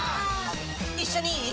一緒にいい？